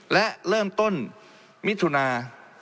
และเริ่มต้นมิถุนา